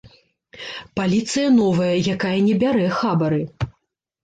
Паліцыя новая, якая не бярэ хабары.